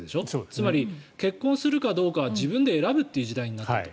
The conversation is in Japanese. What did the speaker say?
つまり結婚するかどうかは自分で選ぶ時代になったと。